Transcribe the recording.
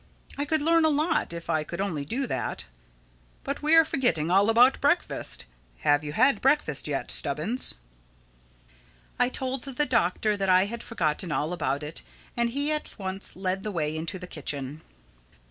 I could learn a lot if I could only do that. But we are forgetting all about breakfast—Have you had breakfast yet, Stubbins?" I told the Doctor that I had forgotten all about it and he at once led the way into the kitchen.